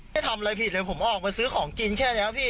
ทำอะไรผิดเลยผมออกมาซื้อของกินแค่นี้พี่